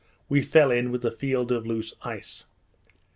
we fell in with a field of loose ice.